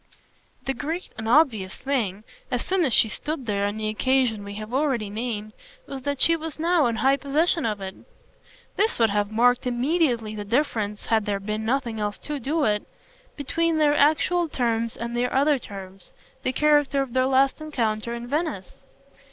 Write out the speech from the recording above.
The great and obvious thing, as soon as she stood there on the occasion we have already named, was that she was now in high possession of it. This would have marked immediately the difference had there been nothing else to do it between their actual terms and their other terms, the character of their last encounter in Venice.